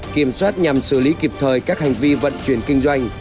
kiểm soát nhằm xử lý kịp thời các hành vi vận chuyển kinh doanh